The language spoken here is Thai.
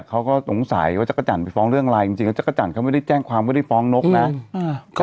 เขาก็สงสัยว่าจักรจันทร์ไปฟ้องเรื่องอะไรจริงแล้วจักรจันทร์เขาไม่ได้แจ้งความไม่ได้ฟ้องนกนะ